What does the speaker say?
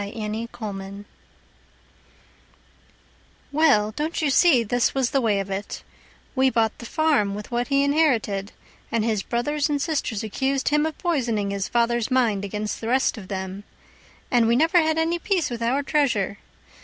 Nancy Knapp Well, don't you see this was the way of it: We bought the farm with what he inherited, And his brothers and sisters accused him of poisoning His father's mind against the rest of them. And we never had any peace with our treasure.